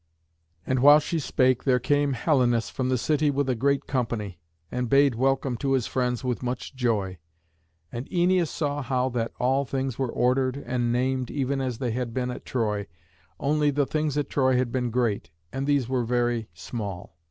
And while she spake there came Helenus from the city with a great company, and bade welcome to his friends with much joy. And Æneas saw how that all things were ordered and named even as they had been at Troy, only the things at Troy had been great, and these were very small.